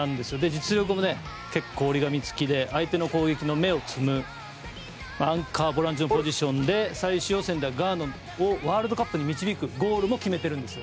実力も結構、折り紙つきで相手の攻撃の芽を摘むアンカーボランチのポジションで最終予選ではガーナをワールドカップに導くゴールも決めているんです。